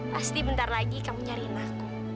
pasti bentar lagi kamu nyariin aku